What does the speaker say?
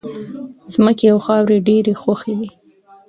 ځمکې او خاورې ډېرې خوښې دي.